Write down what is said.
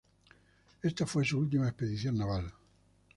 Esta fue su última expedición naval.